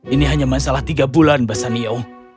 ini hanya masalah tiga bulan bassanio